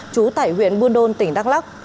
trú tại huyện buôn đôn tỉnh đắk lắc